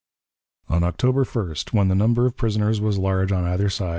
On October 1st, when the number of prisoners was large on either side.